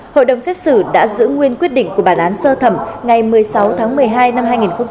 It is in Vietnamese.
hội đồng xét xử đã giữ nguyên quyết định của bản án sơ thẩm ngày một mươi sáu tháng một mươi hai năm hai nghìn một mươi bảy